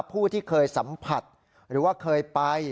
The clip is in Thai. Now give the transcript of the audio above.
ผู้ที่เคยสัมผัสหรือว่าเคยไป